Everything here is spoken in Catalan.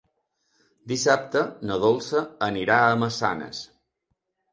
Dissabte na Dolça anirà a Massanes.